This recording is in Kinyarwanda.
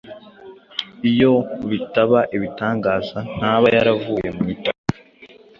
iyo bitaba ibitangaza ntaba yaravuye mu itaka